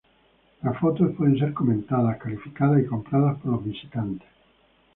Las fotos pueden ser comentadas, calificadas, y compradas por los visitantes.